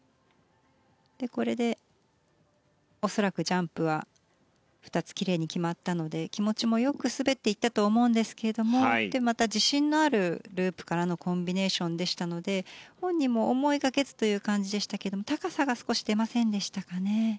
これで恐らくジャンプは２つ奇麗に決まったので気持ちもよく滑っていったと思うんですけどもまた、自信のあるループからのコンビネーションでしたので本人も思いがけずという感じでしたが高さが少し出ませんでしたかね。